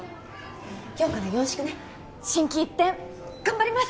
今日からよろしくね心機一転頑張ります！